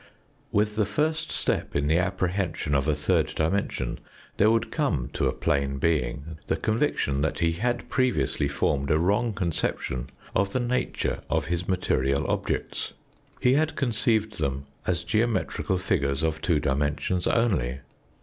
With the first step in the apprehension of a third dimension there would come to a plane being the con viction that he had previously formed a wrong conception of the nature of his material objects. He had conceived them as geometrical figures of two dimensions only.